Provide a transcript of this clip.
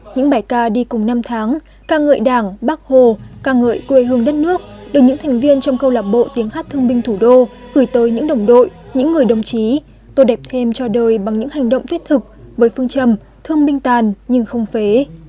những bài ca đi cùng năm tháng ca ngợi đảng bác hồ ca ngợi quê hương đất nước được những thành viên trong câu lạc bộ tiếng hát thương binh thủ đô gửi tới những đồng đội những người đồng chí tô đẹp thêm cho đời bằng những hành động thiết thực với phương trầm thương binh tàn nhưng không phế